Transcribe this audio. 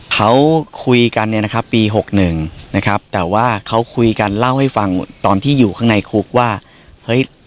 เขาคุยกันเนี่ยนะครับปีหกหนึ่งนะครับแต่ว่าเขาคุยกันเล่าให้ฟังตอนที่อยู่ข้างในคุกว่าเฮ้ย